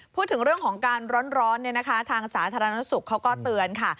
พูดถึงเรื่องของการร้อนทางสาธารณสุขเขาก็เตือนค่ะ